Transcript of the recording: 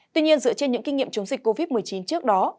tuy nhiên dựa trên những kinh nghiệm chống dịch covid một mươi chín trước đó